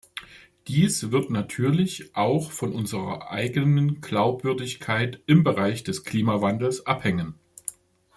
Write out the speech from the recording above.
Dies wird natürlich auch von unserer eigenen Glaubwürdigkeit im Bereich des Klimawandels abhängen.